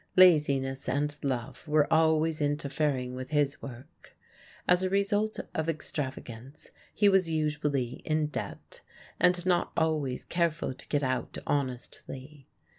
Laziness and love were always interfering with his work. As a result of extravagance he was usually in debt, and not always careful to get out honestly.